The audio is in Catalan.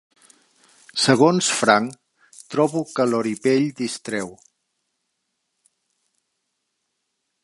Segons Frank, trobo que l'oripell distreu.